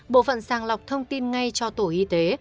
bộ phận sàng lọc thông tin ngay cho tổ y tế